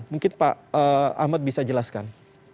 mungkin pak ahmad bisa jelaskan